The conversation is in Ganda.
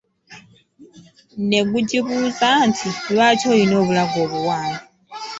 Negugibuuza nti, lwaki olina obulago obuwanvu?